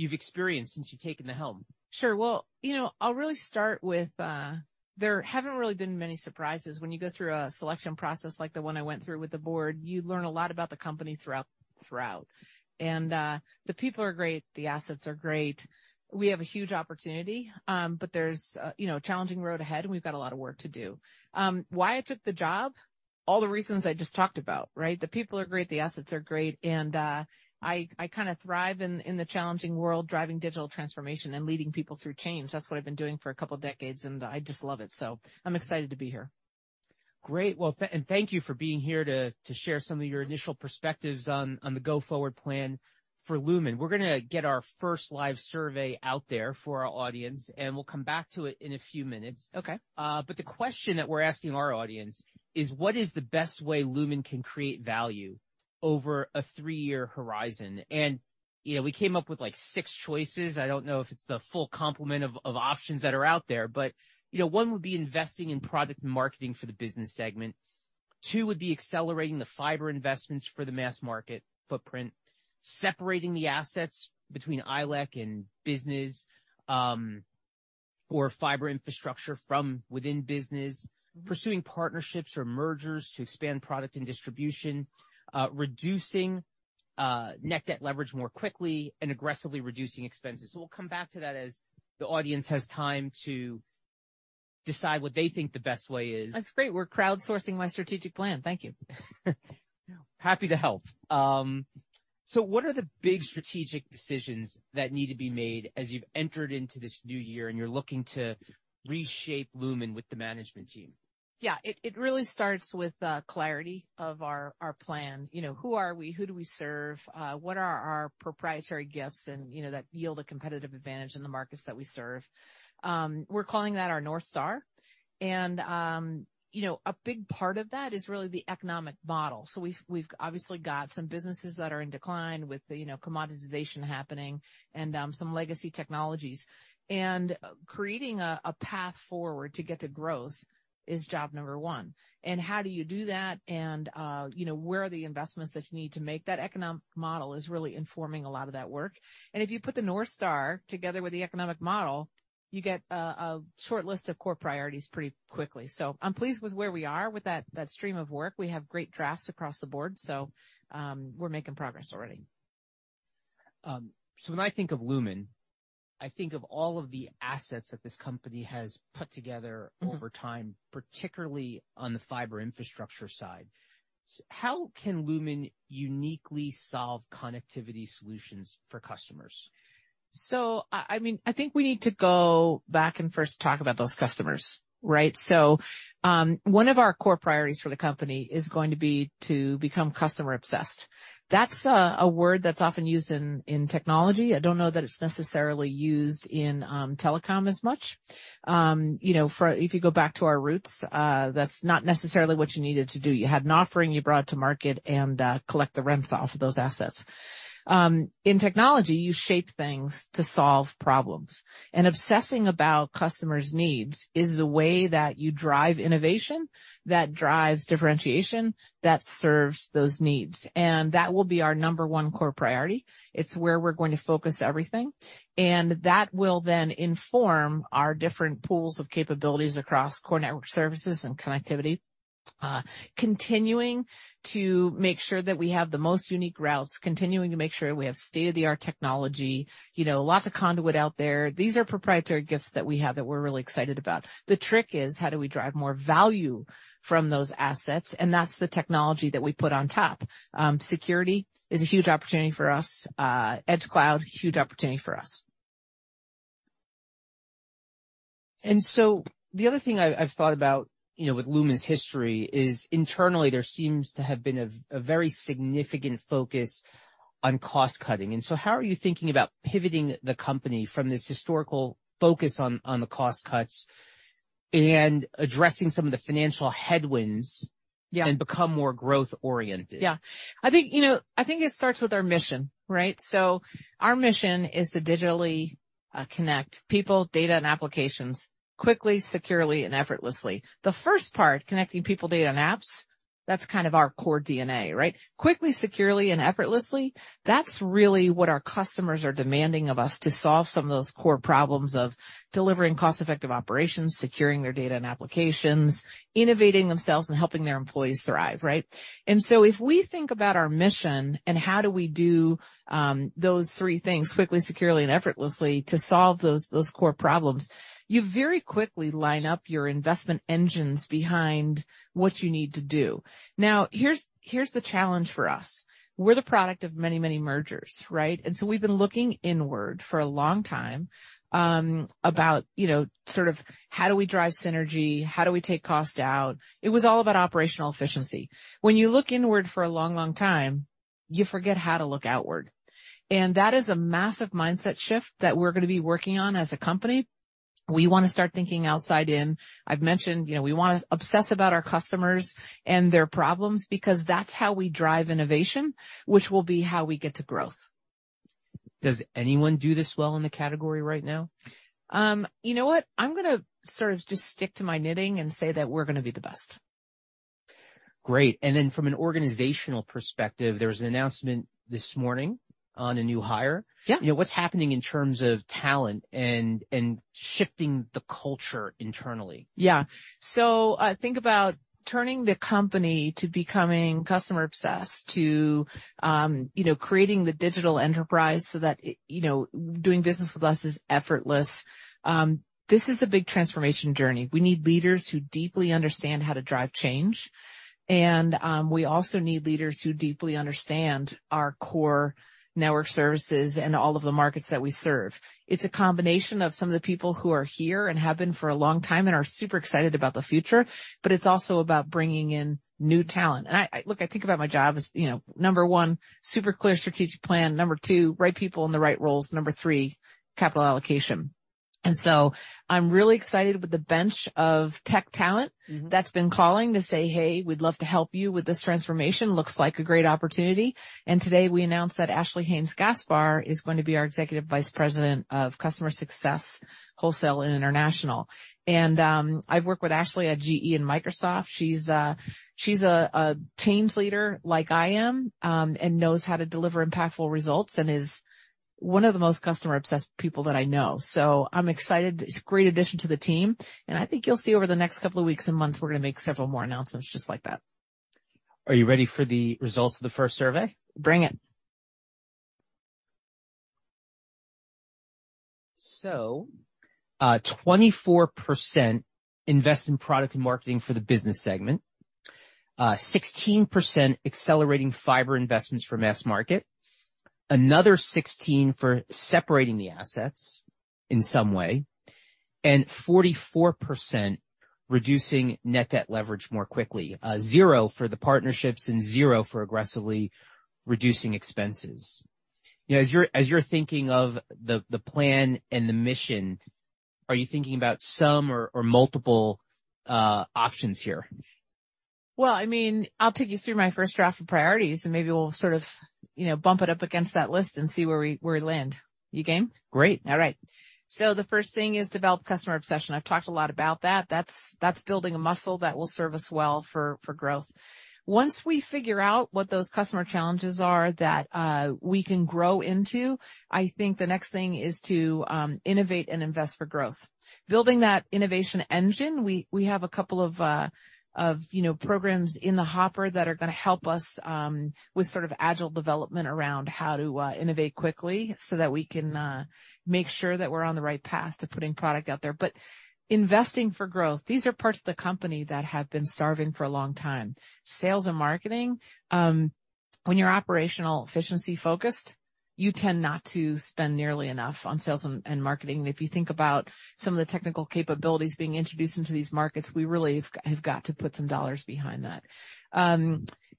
Right. You've experienced since you've taken the helm. Sure. Well, you know, I'll really start with, there haven't really been many surprises. When you go through a selection process like the one I went through with the board, you learn a lot about the company throughout. The people are great, the assets are great. We have a huge opportunity, but there's, you know, a challenging road ahead, and we've got a lot of work to do. Why I took the job, all the reasons I just talked about, right? The people are great, the assets are great, I kind of thrive in the challenging world, driving digital transformation and leading people through change. That's what I've been doing for a couple decades, I just love it. I'm excited to be here. Great. Well, and thank you for being here to share some of your initial perspectives on the go-forward plan for Lumen. We're gonna get our first live survey out there for our audience, and we'll come back to it in a few minutes. Okay. The question that we're asking our audience is, what is the best way Lumen can create value over a 3-year horizon? You know, we came up with, like, 6 choices. I don't know if it's the full complement of options that are out there, but, you know, 1 would be investing in product marketing for the business segment. 2 would be accelerating the fiber investments for the mass market footprint, separating the assets between ILEC and business, or fiber infrastructure from within business, pursuing partnerships or mergers to expand product and distribution, reducing net debt leverage more quickly and aggressively reducing expenses. We'll come back to that as the audience has time to decide what they think the best way is. That's great. We're crowdsourcing my strategic plan. Thank you. Happy to help. What are the big strategic decisions that need to be made as you've entered into this new year and you're looking to reshape Lumen with the management team? Yeah, it really starts with clarity of our plan. You know, who are we? Who do we serve? What are our proprietary gifts and, you know, that yield a competitive advantage in the markets that we serve? We're calling that our North Star. You know, a big part of that is really the economic model. We've obviously got some businesses that are in decline with, you know, commoditization happening and some legacy technologies. Creating a path forward to get to growth is job 1. How do you do that? You know, where are the investments that you need to make? That economic model is really informing a lot of that work. If you put the North Star together with the economic model, you get a short list of core priorities pretty quickly. I'm pleased with where we are with that stream of work. We have great drafts across the board, so, we're making progress already. When I think of Lumen, I think of all of the assets that this company has put together over time, particularly on the fiber infrastructure side. How can Lumen uniquely solve connectivity solutions for customers? I mean, I think we need to go back and first talk about those customers, right? One of our core priorities for the company is going to be to become customer obsessed. That's a word that's often used in technology. I don't know that it's necessarily used in telecom as much. You know, for... if you go back to our roots, that's not necessarily what you needed to do. You had an offering you brought to market and collect the rents off of those assets. In technology, you shape things to solve problems. Obsessing about customers' needs is the way that you drive innovation, that drives differentiation, that serves those needs. That will be our number one core priority. It's where we're going to focus everything. That will then inform our different pools of capabilities across core network services and connectivity. continuing to make sure that we have the most unique routes, continuing to make sure we have state-of-the-art technology, you know, lots of conduit out there. These are proprietary gifts that we have that we're really excited about. The trick is, how do we drive more value from those assets? That's the technology that we put on top. security is a huge opportunity for us. edge cloud, huge opportunity for us. The other thing I've thought about, you know, with Lumen's history is internally there seems to have been a very significant focus on cost cutting. How are you thinking about pivoting the company from this historical focus on the cost cuts and addressing some of the financial headwinds? Yeah. Become more growth oriented? Yeah. I think, you know, I think it starts with our mission, right? Our mission is to digitally connect people, data, and applications quickly, securely, and effortlessly. The first part, connecting people, data, and apps, that's kind of our core DNA, right? Quickly, securely, and effortlessly, that's really what our customers are demanding of us to solve some of those core problems of delivering cost-effective operations, securing their data and applications, innovating themselves, and helping their employees thrive, right? If we think about our mission and how do we do those three things quickly, securely, and effortlessly to solve those core problems, you very quickly line up your investment engines behind what you need to do. Here's the challenge for us. We're the product of many, many mergers, right? We've been looking inward for a long time, about, you know, sort of how do we drive synergy? How do we take cost out? It was all about operational efficiency. When you look inward for a long, long time, you forget how to look outward. That is a massive mindset shift that we're gonna be working on as a company. We wanna start thinking outside in. I've mentioned, you know, we wanna obsess about our customers and their problems because that's how we drive innovation, which will be how we get to growth. Does anyone do this well in the category right now? You know what? I'm gonna sort of just stick to my knitting and say that we're gonna be the best. Great. From an organizational perspective, there was an announcement this morning on a new hire. Yeah. You know, what's happening in terms of talent and shifting the culture internally? Yeah. So think about turning the company to becoming customer-obsessed to, you know, creating the digital enterprise so that, you know, doing business with us is effortless. This is a big transformation journey. We need leaders who deeply understand how to drive change. We also need leaders who deeply understand our core network services and all of the markets that we serve. It's a combination of some of the people who are here and have been for a long time and are super excited about the future, but it's also about bringing in new talent. Look, I think about my job as, you know, number 1, super clear strategic plan. Number 2, right people in the right roles. Number 3, capital allocation. I'm really excited with the bench of tech talent. That's been calling to say, "Hey, we'd love to help you with this transformation. Looks like a great opportunity." Today we announced that Ashley Haynes-Gaspar is going to be our Executive Vice President of Customer Success, Wholesale and International. I've worked with Ashley at GE and Microsoft. She's a change leader like I am and knows how to deliver impactful results and is one of the most customer-obsessed people that I know. I'm excited. It's a great addition to the team, and I think you'll see over the next couple of weeks and months we're going to make several more announcements just like that. Are you ready for the results of the first survey? Bring it. 24% invest in product and marketing for the business segment. 16% accelerating fiber investments for mass market. Another 16% for separating the assets in some way, and 44% reducing net debt leverage more quickly. 0 for the partnerships and 0 for aggressively reducing expenses. You know, as you're thinking of the plan and the mission, are you thinking about some or multiple options here? I mean, I'll take you through my first draft of priorities, and maybe we'll sort of, you know, bump it up against that list and see where we, where we land. You game? Great. All right. The first thing is develop customer obsession. I've talked a lot about that. That's building a muscle that will serve us well for growth. Once we figure out what those customer challenges are that we can grow into, I think the next thing is to innovate and invest for growth. Building that innovation engine, we have a couple of, you know, programs in the hopper that are gonna help us with sort of agile development around how to innovate quickly so that we can make sure that we're on the right path to putting product out there. Investing for growth, these are parts of the company that have been starving for a long time. Sales and marketing, when you're operational efficiency focused, you tend not to spend nearly enough on sales and marketing. If you think about some of the technical capabilities being introduced into these markets, we really have got to put some dollars behind that.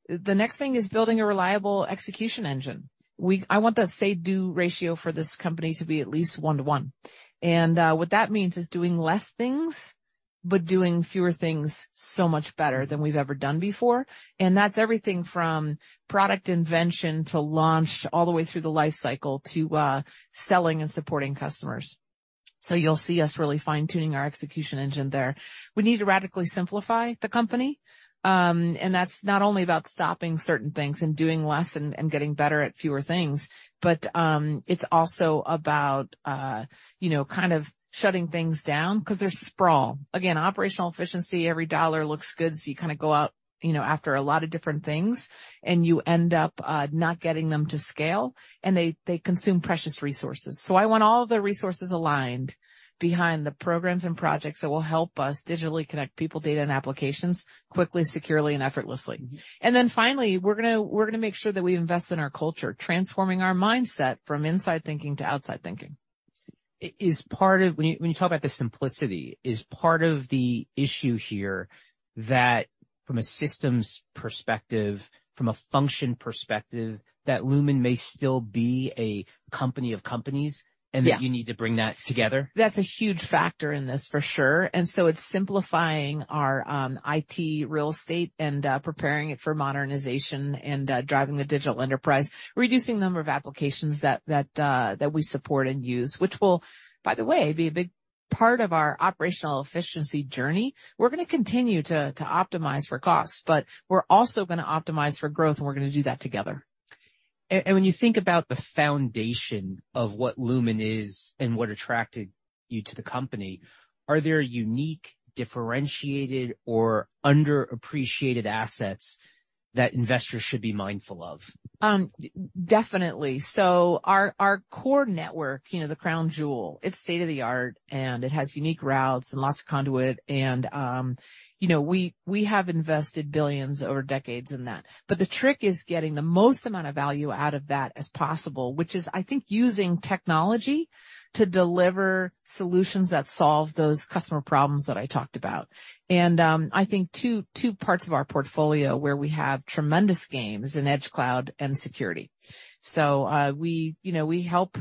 The next thing is building a reliable execution engine. I want the say-do ratio for this company to be at least 1 to 1. What that means is doing less things, but doing fewer things so much better than we've ever done before. That's everything from product invention to launch all the way through the life cycle to selling and supporting customers. You'll see us really fine-tuning our execution engine there. We need to radically simplify the company. That's not only about stopping certain things and doing less and getting better at fewer things, but it's also about, you know, kind of shutting things down 'cause they're sprawl. Again, operational efficiency, every dollar looks good, so you kind of go out, you know, after a lot of different things, and you end up not getting them to scale, and they consume precious resources. I want all the resources aligned behind the programs and projects that will help us digitally connect people, data, and applications quickly, securely and effortlessly. Then finally, we're gonna make sure that we invest in our culture, transforming our mindset from inside thinking to outside thinking. Is part of... When you talk about the simplicity, is part of the issue here that from a systems perspective, from a function perspective, that Lumen may still be a company of companies? Yeah. That you need to bring that together? That's a huge factor in this for sure. It's simplifying our IT real estate and preparing it for modernization and driving the digital enterprise, reducing the number of applications that we support and use, which will, by the way, be a big part of our operational efficiency journey. We're gonna continue to optimize for cost, but we're also gonna optimize for growth, and we're gonna do that together. When you think about the foundation of what Lumen is and what attracted you to the company, are there unique, differentiated or underappreciated assets that investors should be mindful of? Definitely. Our core network, you know, the crown jewel, it's state-of-the-art, and it has unique routes and lots of conduit and, you know, we have invested billions over decades in that. The trick is getting the most amount of value out of that as possible, which is, I think, using technology to deliver solutions that solve those customer problems that I talked about. I think two parts of our portfolio where we have tremendous gains in edge cloud and security. We, you know, we help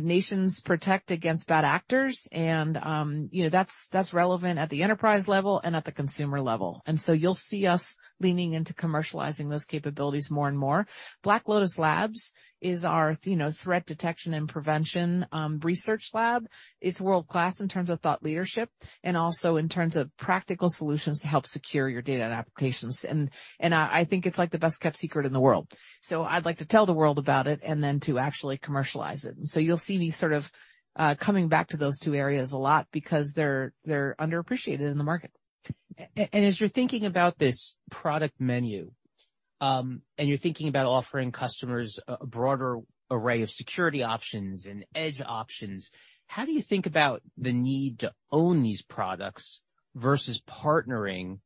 nations protect against bad actors and, you know, that's relevant at the enterprise level and at the consumer level. You'll see us leaning into commercializing those capabilities more and more. Black Lotus Labs is our, you know, threat detection and prevention, research lab. It's world-class in terms of thought leadership and also in terms of practical solutions to help secure your data and applications. I think it's like the best-kept secret in the world. I'd like to tell the world about it and then to actually commercialize it. You'll see me sort of coming back to those two areas a lot because they're underappreciated in the market. as you're thinking about this product menu, and you're thinking about offering customers a broader array of security options and edge options, how do you think about the need to own these products versus partnering-?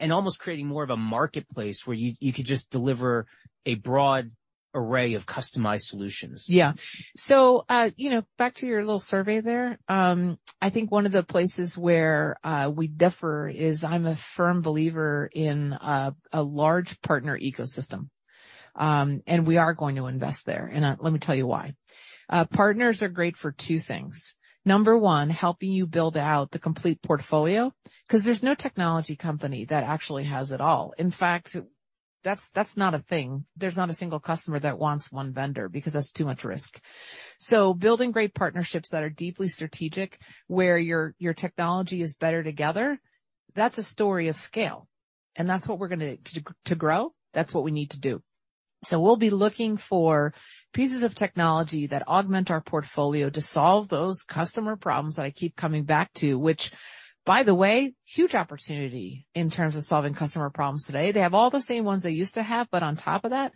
Almost creating more of a marketplace where you could just deliver a broad array of customized solutions? Yeah. You know, back to your little survey there, I think one of the places where we differ is I'm a firm believer in a large partner ecosystem. We are going to invest there. Let me tell you why. Partners are great for 2 things. Number 1, helping you build out the complete portfolio, 'cause there's no technology company that actually has it all. In fact, that's not a thing. There's not a single customer that wants 1 vendor because that's too much risk. Building great partnerships that are deeply strategic, where your technology is better together, that's a story of scale. To grow, that's what we need to do. We'll be looking for pieces of technology that augment our portfolio to solve those customer problems that I keep coming back to, which by the way, huge opportunity in terms of solving customer problems today. They have all the same ones they used to have. On top of that,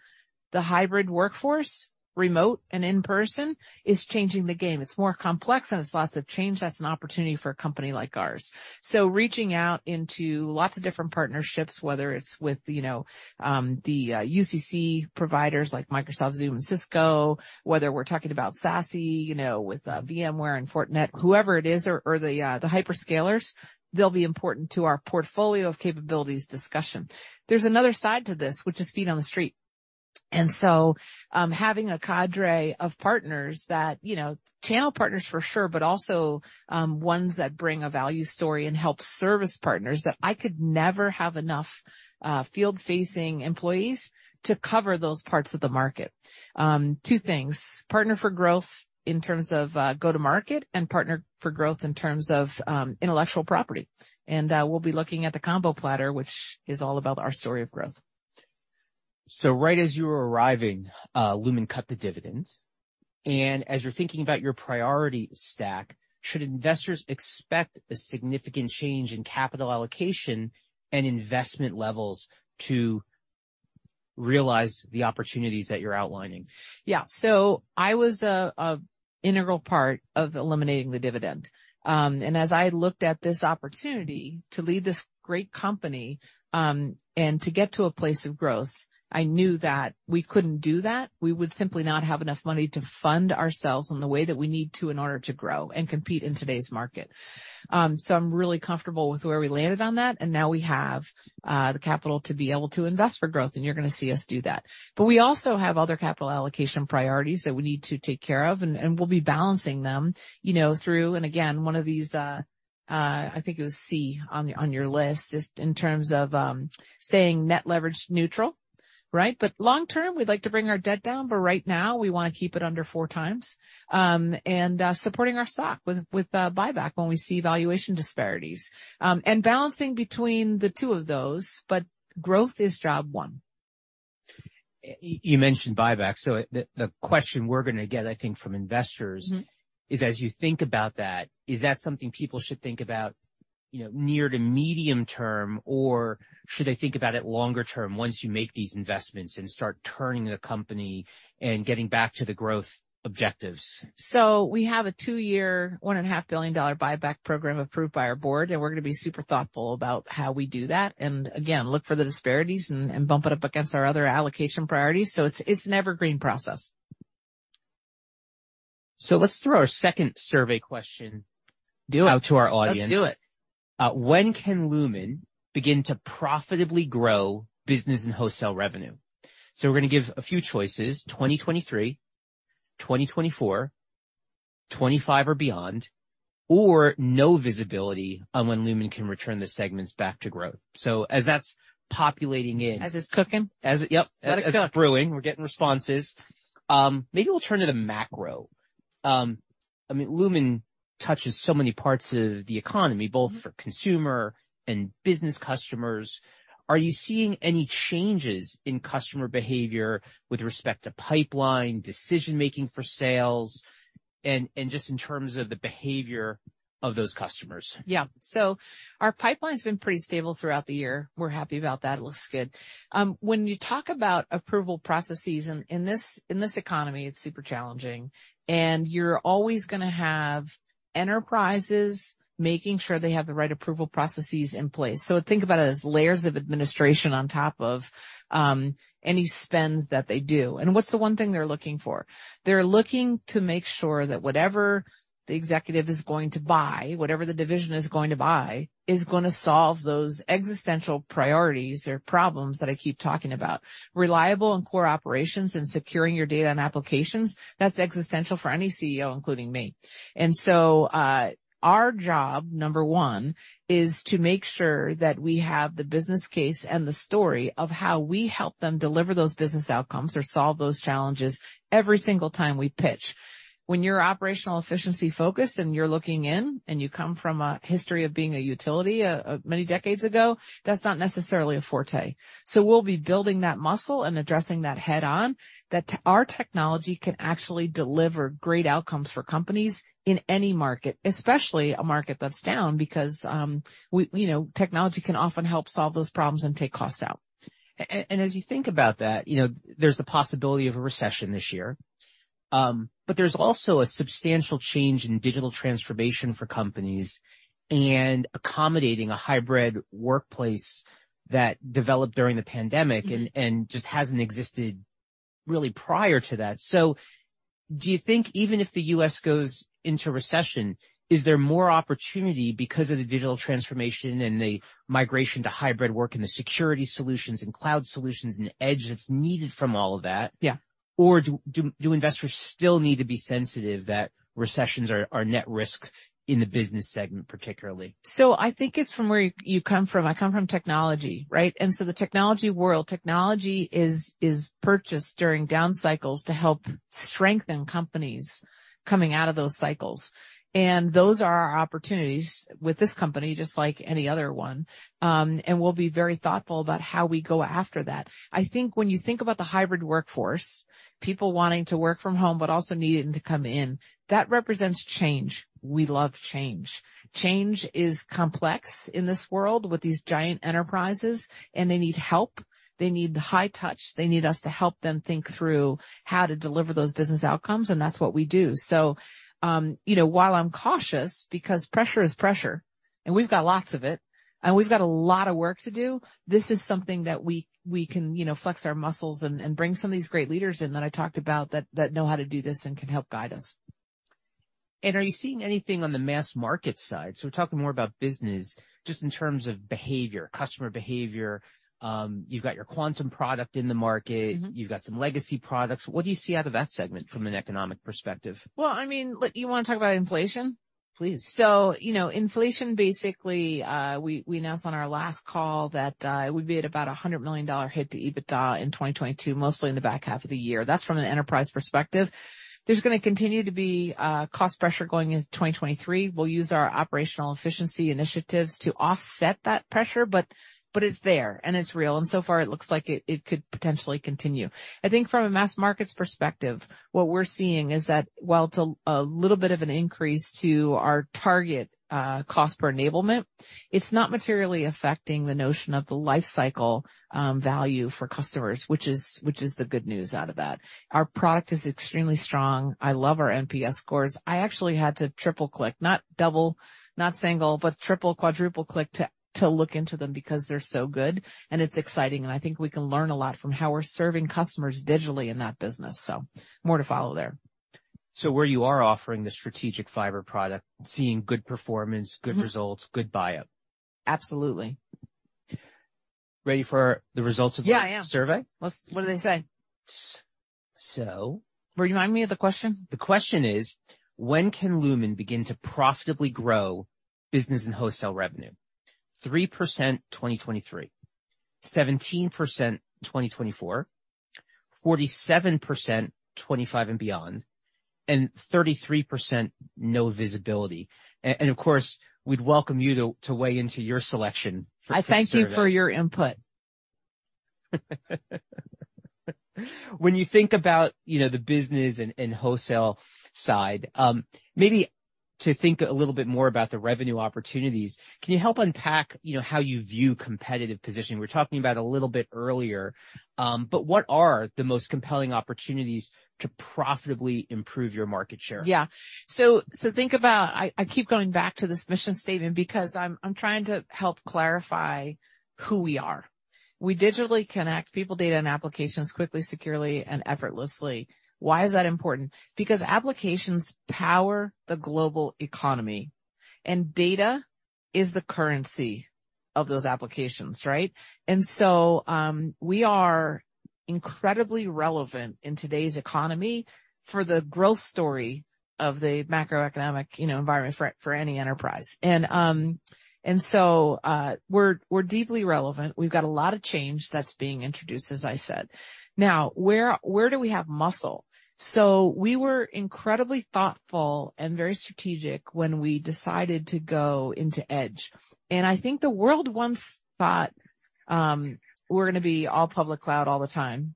the hybrid workforce, remote and in-person, is changing the game. It's more complex and it's lots of change. That's an opportunity for a company like ours. Reaching out into lots of different partnerships, whether it's with, you know, the UCC providers like Microsoft, Zoom and Cisco, whether we're talking about SASE, you know, with VMware and Fortinet, whoever it is or the hyperscalers, they'll be important to our portfolio of capabilities discussion. There's another side to this, which is feet on the street. Having a cadre of partners that, you know, channel partners for sure, but also, ones that bring a value story and help service partners that I could never have enough field-facing employees to cover those parts of the market. Two things, partner for growth in terms of go-to-market and partner for growth in terms of intellectual property. We'll be looking at the combo platter, which is all about our story of growth. Right as you were arriving, Lumen cut the dividend. As you're thinking about your priority stack, should investors expect a significant change in capital allocation and investment levels to realize the opportunities that you're outlining? I was a integral part of eliminating the dividend. As I looked at this opportunity to lead this great company, and to get to a place of growth, I knew that we couldn't do that. We would simply not have enough money to fund ourselves in the way that we need to in order to grow and compete in today's market. I'm really comfortable with where we landed on that, now we have the capital to be able to invest for growth, and you're gonna see us do that. We also have other capital allocation priorities that we need to take care of, and we'll be balancing them, you know, through... Again, one of these, I think it was C on your, on your list is in terms of staying net leverage neutral, right? Long term, we'd like to bring our debt down, but right now we wanna keep it under 4x. Supporting our stock with buyback when we see valuation disparities. Balancing between the two of those, but growth is job one. You mentioned buyback, so the question we're gonna get, I think, from investors. Is as you think about that, is that something people should think about, you know, near to medium term, or should they think about it longer term once you make these investments and start turning the company and getting back to the growth objectives? We have a two-year, one-and-a-half billion dollar buyback program approved by our board. We're gonna be super thoughtful about how we do that. Again, look for the disparities and bump it up against our other allocation priorities. It's an evergreen process. Let's throw our second survey question. Do it. Out to our audience. Let's do it. When can Lumen begin to profitably grow business and wholesale revenue? We're gonna give a few choices: 2023, 2024, 25 or beyond, or no visibility on when Lumen can return the segments back to growth. As that's populating in- As it's cooking. Yep. Let it cook. As it's brewing. We're getting responses. Maybe we'll turn to the macro. I mean, Lumen touches so many parts of the economy. Both for consumer and business customers. Are you seeing any changes in customer behavior with respect to pipeline, decision-making for sales? Just in terms of the behavior of those customers. Our pipeline's been pretty stable throughout the year. We're happy about that. It looks good. When you talk about approval processes and in this, in this economy, it's super challenging. You're always gonna have enterprises making sure they have the right approval processes in place. Think about it as layers of administration on top of any spends that they do. What's the one thing they're looking for? They're looking to make sure that whatever the executive is going to buy, whatever the division is going to buy, is gonna solve those existential priorities or problems that I keep talking about. Reliable and core operations and securing your data and applications, that's existential for any CEO, including me. Our job, number 1, is to make sure that we have the business case and the story of how we help them deliver those business outcomes or solve those challenges every single time we pitch. When you're operational efficiency-focused and you're looking in, and you come from a history of being a utility, many decades ago, that's not necessarily a forte. We'll be building that muscle and addressing that head-on, that our technology can actually deliver great outcomes for companies in any market, especially a market that's down because, we, you know, technology can often help solve those problems and take costs out. As you think about that, you know, there's the possibility of a recession this year. There's also a substantial change in digital transformation for companies and accommodating a hybrid workplace that developed during the pandemic and just hasn't existed really prior to that. Do you think even if the U.S. goes into recession, is there more opportunity because of the digital transformation and the migration to hybrid work and the security solutions and cloud solutions and the edge that's needed from all of that? Yeah. Do investors still need to be sensitive that recessions are net risk in the business segment particularly? I think it's from where you come from. I come from technology, right? The technology world, technology is purchased during down cycles to help strengthen companies coming out of those cycles. Those are our opportunities with this company, just like any other one. We'll be very thoughtful about how we go after that. I think when you think about the hybrid workforce, people wanting to work from home but also needing to come in, that represents change. We love change. Change is complex in this world with these giant enterprises, and they need help. They need the high touch. They need us to help them think through how to deliver those business outcomes, and that's what we do. You know, while I'm cautious because pressure is pressure, and we've got lots of it, and we've got a lot of work to do, this is something that we can, you know, flex our muscles and bring some of these great leaders in that I talked about that know how to do this and can help guide us. Are you seeing anything on the mass market side? We're talking more about business, just in terms of behavior, customer behavior. You've got your Quantum product in the market. You've got some legacy products. What do you see out of that segment from an economic perspective? Well, I mean, you wanna talk about inflation? Please. You know, inflation, basically, we announced on our last call that it would be at about a $100 million hit to EBITDA in 2022, mostly in the back half of the year. That's from an enterprise perspective. There's gonna continue to be cost pressure going into 2023. We'll use our operational efficiency initiatives to offset that pressure, but it's there and it's real. So far it looks like it could potentially continue. I think from a mass markets perspective, what we're seeing is that while it's a little bit of an increase to our target cost per enablement, it's not materially affecting the notion of the life cycle value for customers, which is the good news out of that. Our product is extremely strong. I love our NPS scores. I actually had to triple-click, not double, not single, but triple, quadruple-click to look into them because they're so good and it's exciting, and I think we can learn a lot from how we're serving customers digitally in that business. More to follow there. Where you are offering the strategic fiber product, seeing good performance. Good results, good buy-up. Absolutely. Ready for the results of. Yeah, yeah. -survey? What do they say? Remind me of the question? The question is, when can Lumen begin to profitably grow business and wholesale revenue? 3%, 2023. 17%, 2024. 47%, 2025 and beyond. 33%, no visibility. Of course, we'd welcome you to weigh into your selection for the survey. I thank you for your input. When you think about, you know, the business and wholesale side, maybe to think a little bit more about the revenue opportunities, can you help unpack, you know, how you view competitive positioning? We're talking about a little bit earlier, but what are the most compelling opportunities to profitably improve your market share? Yeah. Think about. I keep going back to this mission statement because I'm trying to help clarify who we are. We digitally connect people, data, and applications quickly, securely and effortlessly. Why is that important? Because applications power the global economy, and data is the currency of those applications, right? We are incredibly relevant in today's economy for the growth story of the macroeconomic, you know, environment for any enterprise. We're deeply relevant. We've got a lot of change that's being introduced, as I said. Where do we have muscle? We were incredibly thoughtful and very strategic when we decided to go into Edge. I think the world once thought, we're gonna be all public cloud all the time.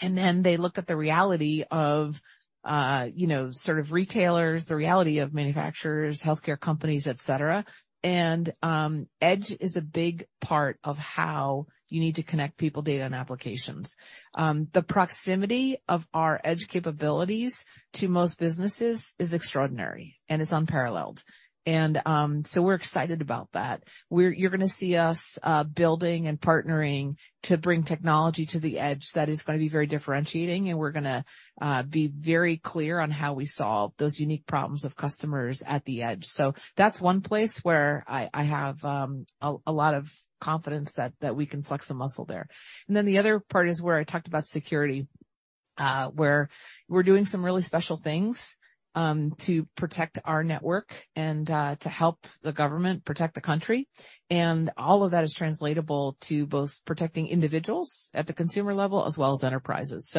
Then they looked at the reality of, you know, sort of retailers, the reality of manufacturers, healthcare companies, et cetera. Edge is a big part of how you need to connect people, data, and applications. The proximity of our edge capabilities to most businesses is extraordinary and is unparalleled. So we're excited about that. You're gonna see us building and partnering to bring technology to the edge that is gonna be very differentiating, and we're gonna be very clear on how we solve those unique problems of customers at the edge. That's one place where I have a lot of confidence that we can flex a muscle there. The other part is where I talked about security, where we're doing some really special things, to protect our network and, to help the government protect the country. All of that is translatable to both protecting individuals at the consumer level as well as enterprises.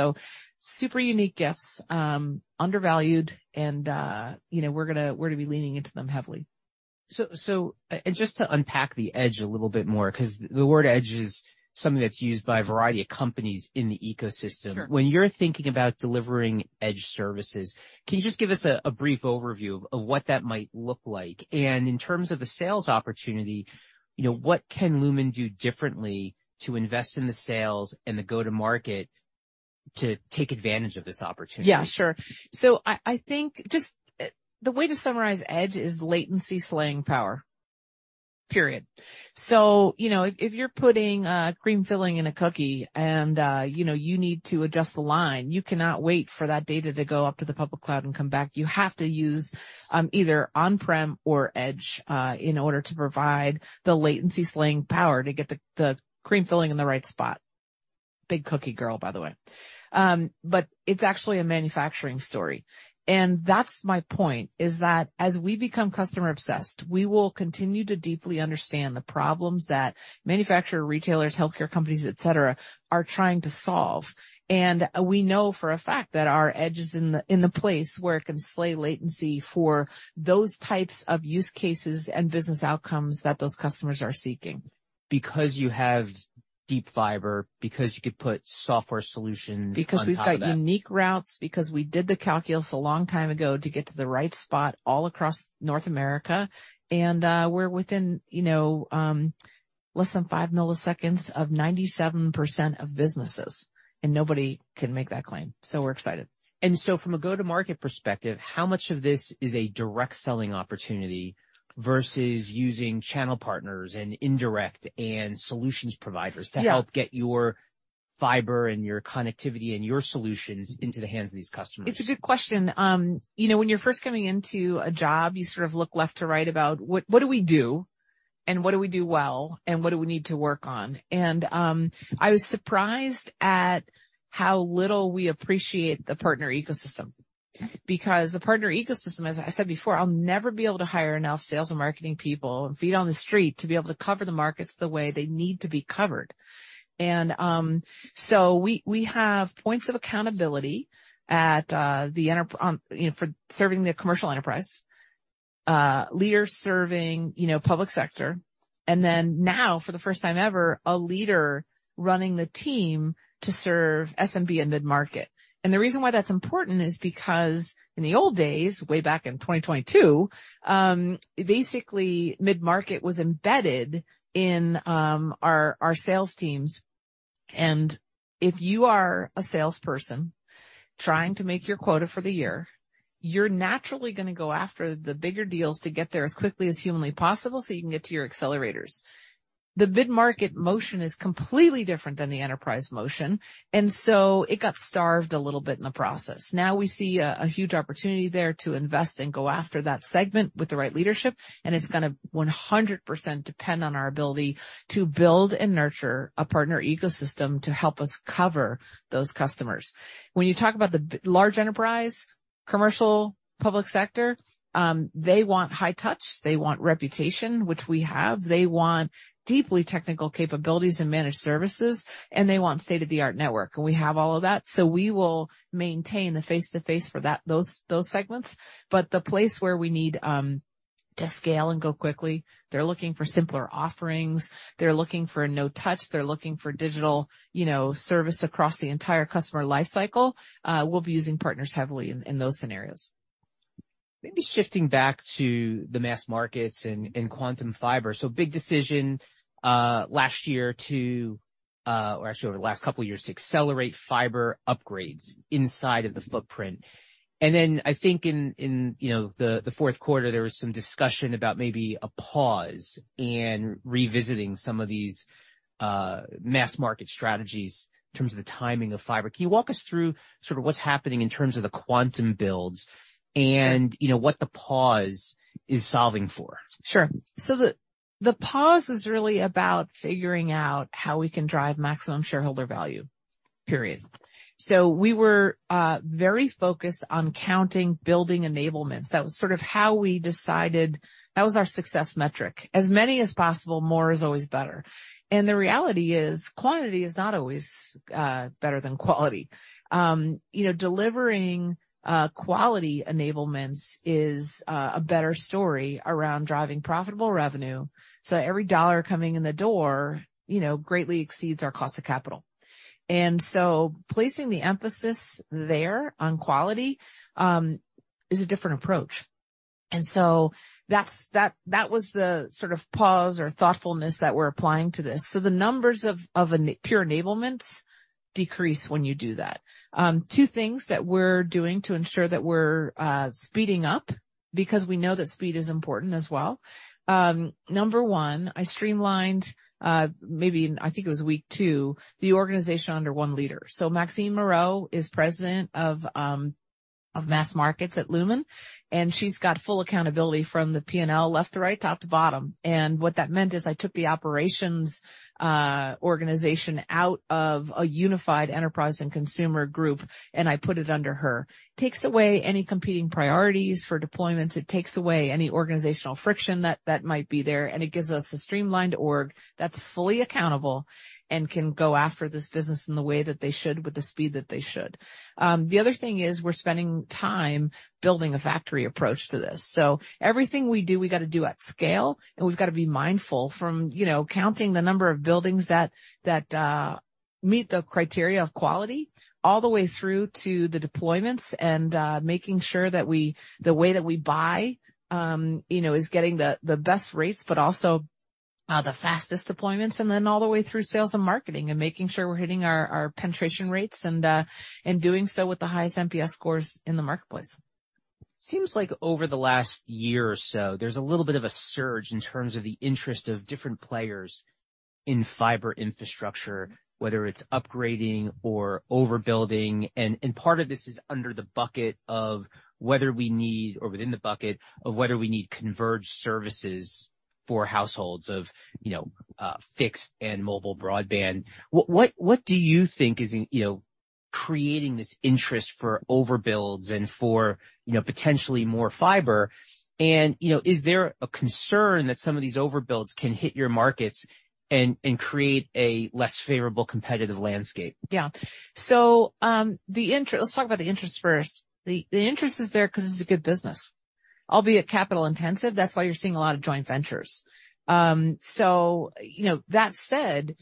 Super unique gifts, undervalued and, you know, we're gonna be leaning into them heavily. Just to unpack the edge a little bit more, 'cause the word edge is something that's used by a variety of companies in the ecosystem. Sure. When you're thinking about delivering edge services, can you just give us a brief overview of what that might look like? In terms of a sales opportunity, you know, what can Lumen do differently to invest in the sales and the go-to-market to take advantage of this opportunity? Yeah, sure. I think just the way to summarize edge is latency slaying power, period. You know, if you're putting cream filling in a cookie and, you know, you need to adjust the line, you cannot wait for that data to go up to the public cloud and come back. You have to use either on-prem or edge in order to provide the latency slaying power to get the cream filling in the right spot. Big cookie girl, by the way. It's actually a manufacturing story. That's my point, is that as we become customer obsessed, we will continue to deeply understand the problems that manufacturer, retailers, healthcare companies, et cetera, are trying to solve. We know for a fact that our edge is in the place where it can slay latency for those types of use cases and business outcomes that those customers are seeking. Because you have deep fiber, because you could put software solutions on top of that. We've got unique routes, because we did the calculus a long time ago to get to the right spot all across North America, and we're within, you know, less than 5 milliseconds of 97% of businesses, and nobody can make that claim. We're excited. From a go-to-market perspective, how much of this is a direct selling opportunity versus using channel partners and indirect and solutions providers? To help get your fiber and your connectivity and your solutions into the hands of these customers? It's a good question. You know, when you're first coming into a job, you sort of look left to right about what do we do and what do we do well and what do we need to work on? I was surprised at how little we appreciate the partner ecosystem. The partner ecosystem, as I said before, I'll never be able to hire enough sales and marketing people and feet on the street to be able to cover the markets the way they need to be covered. We have points of accountability at the commercial enterprise leaders serving, you know, public sector, and now for the first time ever, a leader running the team to serve SMB and mid-market. The reason why that's important is because in the old days, way back in 2022, basically mid-market was embedded in our sales teams. If you are a salesperson trying to make your quota for the year, you're naturally gonna go after the bigger deals to get there as quickly as humanly possible so you can get to your accelerators. The mid-market motion is completely different than the enterprise motion. It got starved a little bit in the process. We see a huge opportunity there to invest and go after that segment with the right leadership. It's gonna 100% depend on our ability to build and nurture a partner ecosystem to help us cover those customers. When you talk about large enterprise, commercial, public sector, they want high touch, they want reputation, which we have. They want deeply technical capabilities and managed services, and they want state-of-the-art network. We have all of that, so we will maintain the face-to-face for those segments. The place where we need to scale and go quickly, they're looking for simpler offerings, they're looking for no touch, they're looking for digital, you know, service across the entire customer lifecycle. We'll be using partners heavily in those scenarios. Maybe shifting back to the mass markets and Quantum Fiber. Big decision, last year to, or actually over the last couple of years, to accelerate fiber upgrades inside of the footprint. I think in, you know, the fourth quarter, there was some discussion about maybe a pause in revisiting some of these, mass market strategies in terms of the timing of fiber. Can you walk us through sort of what's happening in terms of the quantum builds and, you know, what the pause is solving for? Sure. The pause is really about figuring out how we can drive maximum shareholder value, period. We were very focused on counting building enablements. That was sort of how we decided. That was our success metric. As many as possible, more is always better. The reality is, quantity is not always better than quality. You know, delivering quality enablements is a better story around driving profitable revenue so that every dollar coming in the door, you know, greatly exceeds our cost of capital. Placing the emphasis there on quality is a different approach. That's, that was the sort of pause or thoughtfulness that we're applying to this. The numbers of pure enablements decrease when you do that. Two things that we're doing to ensure that we're speeding up because we know that speed is important as well. Number 1, I streamlined, maybe in I think it was week 2, the organization under 1 leader. Maxine Moreau is President of Mass Markets at Lumen, and she's got full accountability from the P&L left to right, top to bottom. What that meant is I took the operations organization out of a unified enterprise and consumer group, and I put it under her. Takes away any competing priorities for deployments. It takes away any organizational friction that might be there, and it gives us a streamlined org that's fully accountable and can go after this business in the way that they should with the speed that they should. The other thing is we're spending time building a factory approach to this. Everything we do, we gotta do at scale, and we've gotta be mindful from, you know, counting the number of buildings that meet the criteria of quality all the way through to the deployments and making sure that the way that we buy, you know, is getting the best rates, but also the fastest deployments, and then all the way through sales and marketing and making sure we're hitting our penetration rates and doing so with the highest NPS scores in the marketplace. Seems like over the last year or so, there's a little bit of a surge in terms of the interest of different players in fiber infrastructure, whether it's upgrading or overbuilding. part of this is under the bucket of whether we need or within the bucket of whether we need converged services for households of, you know, fixed and mobile broadband. What do you think is, you know, creating this interest for overbuilds and for, you know, potentially more fiber? you know, is there a concern that some of these overbuilds can hit your markets and create a less favorable competitive landscape? Yeah. Let's talk about the interest first. The interest is there 'cause it's a good business, albeit capital intensive. That's why you're seeing a lot of joint ventures. You know, that said,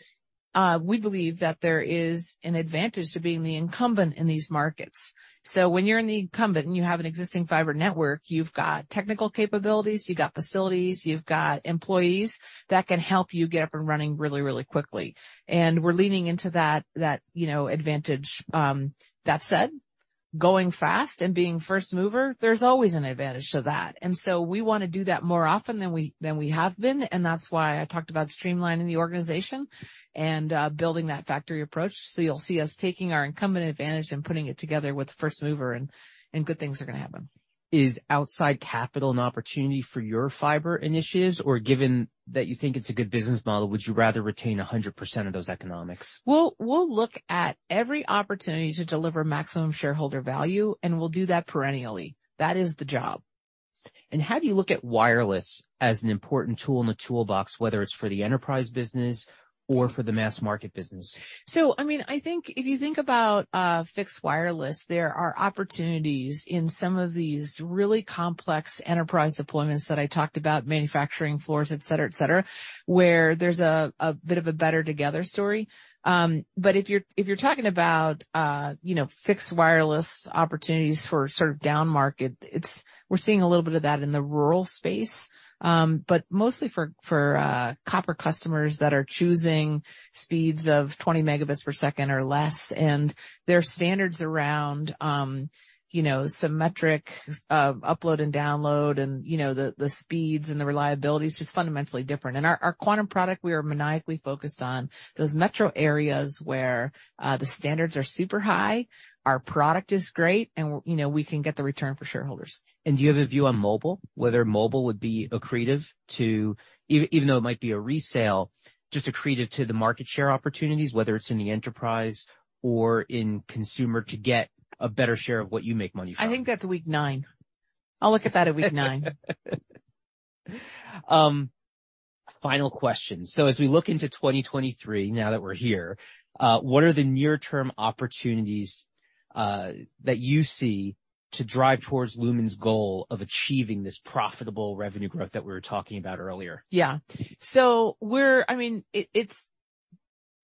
we believe that there is an advantage to being the incumbent in these markets. When you're an incumbent and you have an existing fiber network, you've got technical capabilities, you've got facilities, you've got employees that can help you get up and running really quickly. We're leaning into that, you know, advantage. That said, going fast and being first mover, there's always an advantage to that. We wanna do that more often than we have been, and that's why I talked about streamlining the organization and building that factory approach. You'll see us taking our incumbent advantage and putting it together with first mover, and good things are gonna happen. Is outside capital an opportunity for your fiber initiatives? Or given that you think it's a good business model, would you rather retain 100% of those economics? We'll look at every opportunity to deliver maximum shareholder value, and we'll do that perennially. That is the job. How do you look at wireless as an important tool in the toolbox, whether it's for the enterprise business or for the mass market business? I think if you think about fixed wireless, there are opportunities in some of these really complex enterprise deployments that I talked about, manufacturing floors, et cetera, et cetera, where there's a bit of a better together story. But if you're, if you're talking about, you know, fixed wireless opportunities for sort of down market, we're seeing a little bit of that in the rural space. But mostly for copper customers that are choosing speeds of 20 megabits per second or less. Their standards around, you know, symmetric upload and download and, you know, the speeds and the reliability is just fundamentally different. Our Quantum product, we are maniacally focused on those metro areas where the standards are super high, our product is great, and, you know, we can get the return for shareholders. Do you have a view on mobile, whether mobile would be accretive to, even though it might be a resale, just accretive to the market share opportunities, whether it's in the enterprise or in consumer to get a better share of what you make money from? I think that's week nine. I'll look at that at week nine. Final question. As we look into 2023, now that we're here, what are the near term opportunities that you see to drive towards Lumen's goal of achieving this profitable revenue growth that we were talking about earlier? I mean,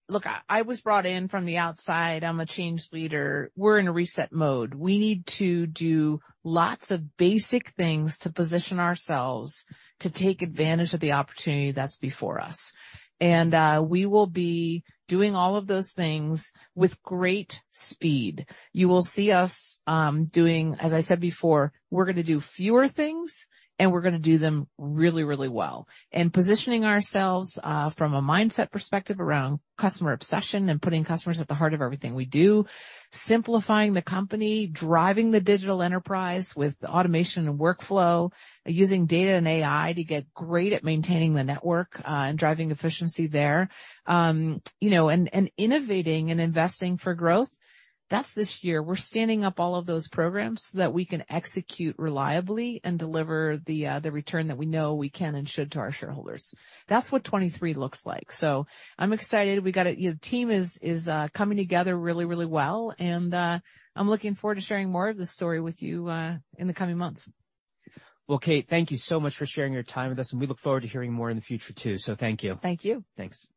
Look, I was brought in from the outside. I'm a change leader. We're in a reset mode. We need to do lots of basic things to position ourselves to take advantage of the opportunity that's before us. We will be doing all of those things with great speed. You will see us, as I said before, we're gonna do fewer things, and we're gonna do them really, really well. Positioning ourselves, from a mindset perspective around customer obsession and putting customers at the heart of everything we do, simplifying the company, driving the digital enterprise with automation and workflow, using data and AI to get great at maintaining the network, and driving efficiency there, you know, and innovating and investing for growth, that's this year. We're standing up all of those programs so that we can execute reliably and deliver the return that we know we can and should to our shareholders. That's what 23 looks like. I'm excited. We got the team is coming together really, really well. I'm looking forward to sharing more of this story with you in the coming months. Well, Kate, thank you so much for sharing your time with us, and we look forward to hearing more in the future too. Thank you. Thank you. Thanks. Great.